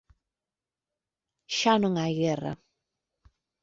"Xa non hai guerra".